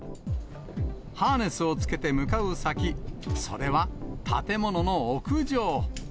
ハーネスをつけて向かう先、それは、建物の屋上。